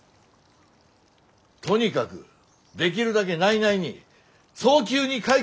とにかくできるだけ内々に早急に解決して下さいよ。